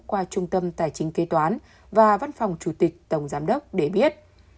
qua trung tâm tài chính kế toán và văn phòng chủ tịch tổng giám đốc để biết